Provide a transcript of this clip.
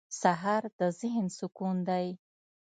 سهار د ذهن سکون دی.